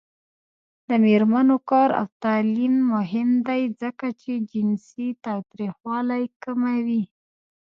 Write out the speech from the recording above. د میرمنو کار او تعلیم مهم دی ځکه چې جنسي تاوتریخوالی کموي.